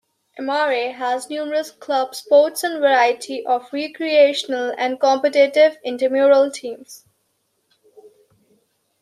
Emory has numerous club sports and a variety of recreational and competitive intramural teams.